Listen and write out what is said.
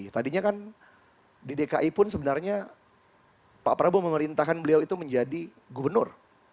tadinya kan di dki pun sebenarnya pak prabowo memerintahkan beliau itu menjadi gubernur